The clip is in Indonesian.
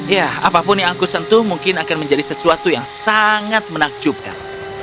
ya apapun yang aku sentuh mungkin akan menjadi sesuatu yang sangat menakjubkan